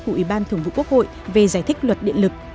của ủy ban thường vụ quốc hội về giải thích luật điện lực